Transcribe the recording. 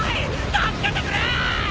助けてくれ！